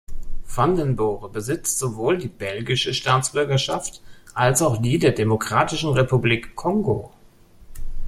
Vanden Borre besitzt sowohl die belgische Staatsbürgerschaft als auch die der Demokratischen Republik Kongo.